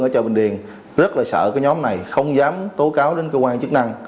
ở chợ bình điền rất là sợ cái nhóm này không dám tố cáo đến cơ quan chức năng